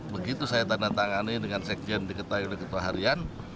begitu saya tanda tangani dengan sekjen diketahui oleh ketua harian